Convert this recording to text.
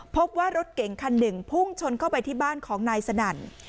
พบว่ารถเก่งคันหนึ่งพุ่งชนเข้าไปที่บ้านของนายสนั่น